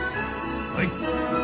はい。